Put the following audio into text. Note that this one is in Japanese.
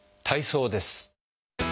体操です。